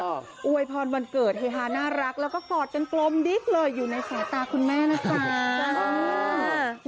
อวยพรวันเกิดเฮฮาน่ารักแล้วก็กอดกันกลมดิ๊กเลยอยู่ในสายตาคุณแม่นะจ๊ะ